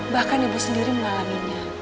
bahkan ibu sendiri mengalaminya